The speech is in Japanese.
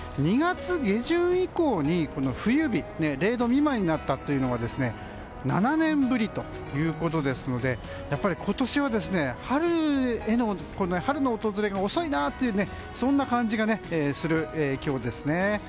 ２月下旬以降に冬日０度未満になったというのは７年ぶりということですので今年は春の訪れが遅いなという感じがする今日ですね。